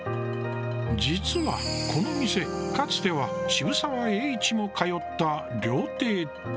実はこの店、かつては渋沢栄一も通った料亭。